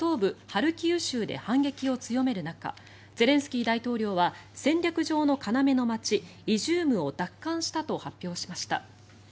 ハルキウ州で反撃を強める中ゼレンスキー大統領は戦略上の要の街イジュームを奪還したと発表しました。